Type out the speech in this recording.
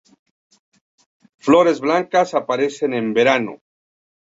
Flores blancas aparecen en Verano.